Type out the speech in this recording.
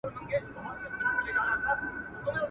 خوندي مړې سوې، چي پاته ترلې سوې.